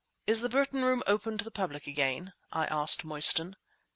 "Is the Burton Room open to the public again?" I asked Mostyn.